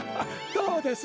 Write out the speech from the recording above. どうです？